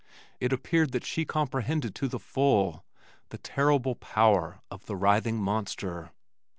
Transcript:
It appeared that she comprehended to the full the terrible power of the writhing monster.